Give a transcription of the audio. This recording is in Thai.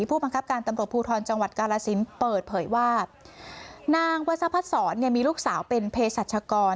ผู้บังคับการตำรวจภูทรจังหวัดกาลสินเปิดเผยว่านางวัสพัศรเนี่ยมีลูกสาวเป็นเพศรัชกร